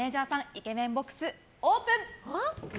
イケメンボックスオープン！